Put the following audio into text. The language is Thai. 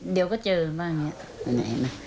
เดี๋ยวก็เจอมันบางอย่างที่แบบนี้